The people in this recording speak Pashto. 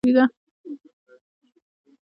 څلورمه اصلي موضوع مې پښتو شاعرۍ